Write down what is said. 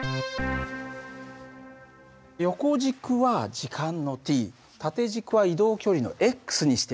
横軸は時間のｔ縦軸は移動距離のにしてある。